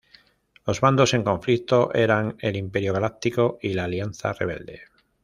Los bandos en conflicto eran el Imperio Galáctico y la Alianza Rebelde.